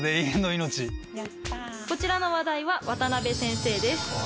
こちらの話題は渡先生です。